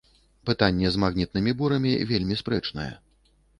Пытанне з магнітнымі бурамі вельмі спрэчнае.